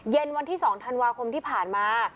เย็นวันที่๒ธันวาคมที่ผ่านมา